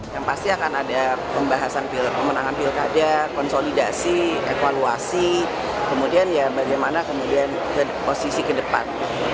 yang pasti akan ada pembahasan pemenangan pilkada konsolidasi evaluasi kemudian ya bagaimana kemudian posisi ke depan